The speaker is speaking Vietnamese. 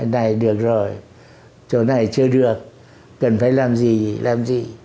này được rồi chỗ này chưa được cần phải làm gì làm gì